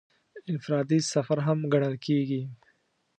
انفرادي سفر هم ګڼل کېږي.